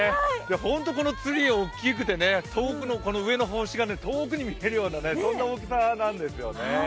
ホントこのツリー、大きくて上の星が遠くに見えるような大きさなんですよね。